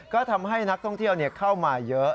ก็ทำให้นักท่องเที่ยวเข้ามาเยอะ